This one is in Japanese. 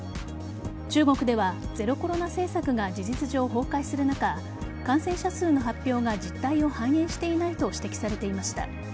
中国ではゼロコロナ政策が事実上、崩壊する中感染者数の発表が実態を反映していないと指摘されていました。